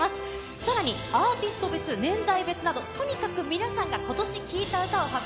さらに、アーティスト別、年代別など、とにかく皆さんがことし聴いた歌を発表。